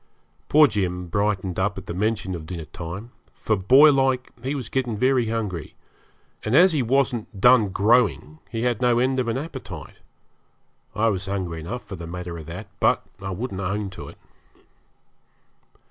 Poor Jim brightened up at the mention of dinner time, for, boylike, he was getting very hungry, and as he wasn't done growing he had no end of an appetite. I was hungry enough for the matter of that, but I wouldn't own to it.